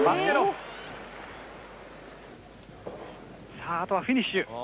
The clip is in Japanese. さああとはフィニッシュ。